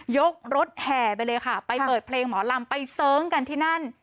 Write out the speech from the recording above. ยกรถแห่ไปเลยค่ะไปเปิดเพลงหมอลำไปเสิร์งกันที่นั่น